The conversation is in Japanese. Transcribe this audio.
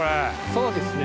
そうですね。